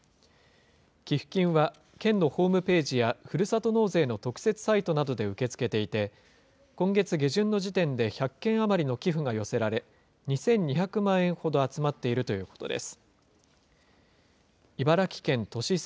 寄付金は県のホームページやふるさと納税の特設サイトなどで受け付けていて、今月下旬の時点で１００件余りの寄付が寄せられ、２２００万円ほど集まっているということです。